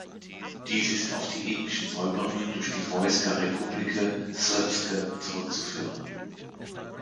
Dies ist auf die ethnischen Säuberungen durch die Vojska Republike Srpske zurückzuführen.